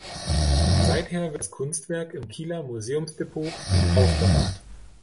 Seither wird das Kunstwerk im Kieler Museumsdepot aufbewahrt.